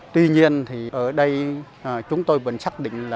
tuy nhiên thì ở đây chúng tôi vẫn chắc định